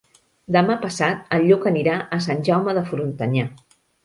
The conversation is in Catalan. Demà passat en Lluc anirà a Sant Jaume de Frontanyà.